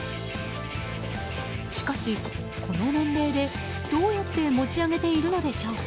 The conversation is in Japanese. しかし、この年齢でどうやって持ち上げているのでしょうか。